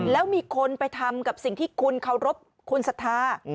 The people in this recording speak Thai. แล้วมีคนไปทำกับสิ่งที่คุณเคารพคุณศรัทธา